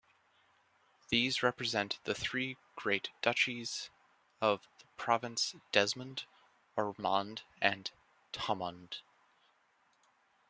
These represent the three great duchies of the province, Desmond, Ormond and Thomond.